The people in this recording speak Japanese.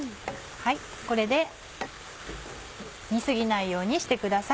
これで煮過ぎないようにしてください。